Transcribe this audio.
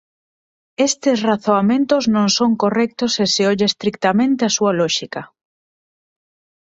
Estes razoamentos non son correctos se se olla estritamente a súa lóxica.